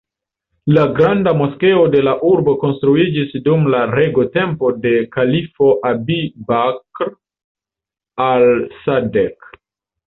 La granda moskeo de la urbo konstruiĝis dum la regotempo de kalifo "Abi-Bakr Al-Sadeek".